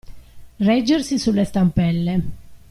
Reggersi sulle stampelle.